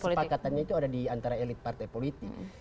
kesepakatannya itu ada di antara elit partai politik